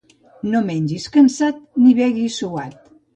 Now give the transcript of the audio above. No mengis cansat, ni beguis suat.